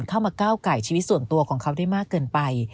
ก้าวไก่ชีวิตส่วนตัวของเขาได้มากเกินไป